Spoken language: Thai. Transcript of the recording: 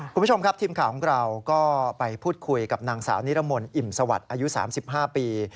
คุณผู้ชมครับทีมข่าวของเราก็ไปพูดคุยกับนางสาวนิรมนต์อิ่มสวัสดิ์อายุ๓๕ปี